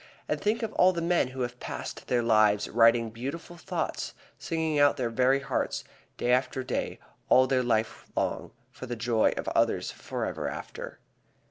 And think of all the men who have passed their lives writing beautiful thoughts, singing out of their very hearts, day after day, all their life long, for the joy of others forever after.